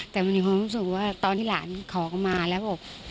แต่มันมีความรู้สึกว่าตอนที่หลานขอเข้ามาแล้วบอก